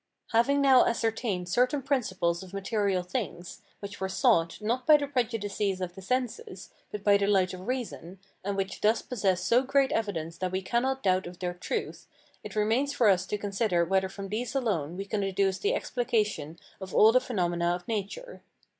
Having now ascertained certain principles of material things, which were sought, not by the prejudices of the senses, but by the light of reason, and which thus possess so great evidence that we cannot doubt of their truth, it remains for us to consider whether from these alone we can deduce the explication of all the phenomena of nature.